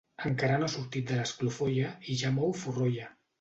Encara no ha sortit de l'esclofolla i ja mou forrolla.